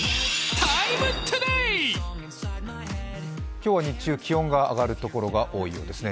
今日は日中、気温が上がるところが多いようですね。